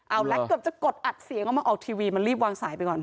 เอาละเกือบจะกดอัดเสียงเอามาออกทีวีมันรีบวางสายไปก่อน